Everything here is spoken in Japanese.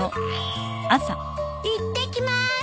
いってきまーす。